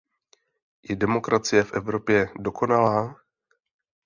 Je demokracie v Evropě dokonalá?